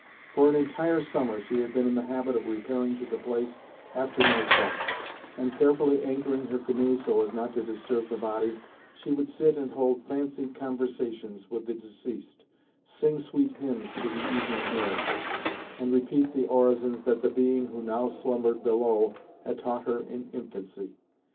For an entire summer, she had been in the habit of repairing to the place after night fall; and carefully anchoring her canoe so as not to disturb the body, she would sit and hold fancied conversations with the deceased, sing sweet hymns to the evening air, and repeat the orisons that the being who now slumbered below had taught her in infancy.